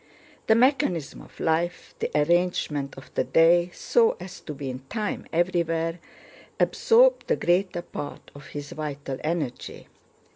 The mechanism of life, the arrangement of the day so as to be in time everywhere, absorbed the greater part of his vital energy.